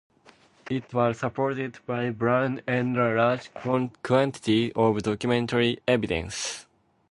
It was supported by Brunel and a large quantity of documentary evidence.